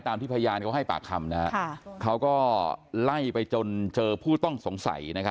ที่พยานเขาให้ปากคำเขาก็ไล่ไปจนเจอผู้ต้องสงสัย